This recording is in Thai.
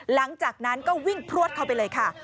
หลังจากนั้นก็วิ่งพลวดเข้าไปเลยค่ะ